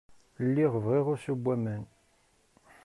Lliɣ bɣiɣ usu n waman.